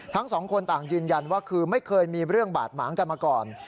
ทั้งสองคนต่างยืนยันว่าคือไม่เคยมีเรื่องบาดหมางกันมาก่อน